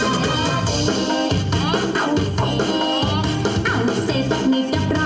ไม่ใช่เป็นประกับนะค้า